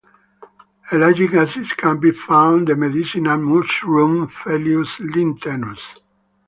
Ellagic acid can be found in the medicinal mushroom "Phellinus linteus".